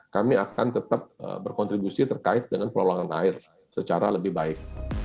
kami akan tetap berkontribusi terkait dengan pelolongan air secara lebih baik